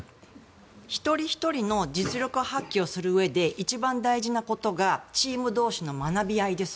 一人ひとりの実力発揮をするうえで一番大事なことがチーム同士の学び合いです。